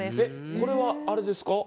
これはあれですか？